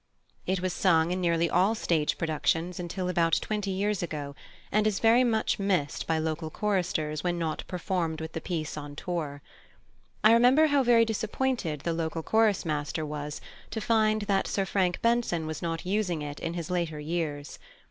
It was sung in nearly all stage productions until about twenty years ago, and is very much missed by local choristers when not performed with the piece on tour. I remember how very disappointed the local chorus master was to find that Sir Frank Benson was not using it in his later years.